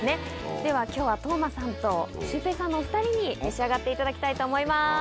では今日は當真さんとシュウペイさんのお２人に召し上がっていただきたいと思います。